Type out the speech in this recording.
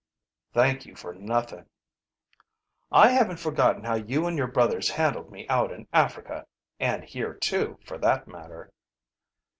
"Thank you for nothing." "I haven't forgotten how you and your brothers handled me out in Africa and here, too, for that matter."